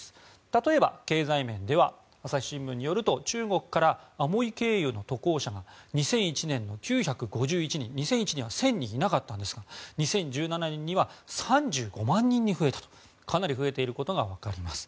例えば経済面では朝日新聞によると中国からアモイ経由の渡航者が２００１年の９５１人２００１年は１０００人いなかったんですが２０１７年には３５万人に増えたとかなり増えていることがわかります。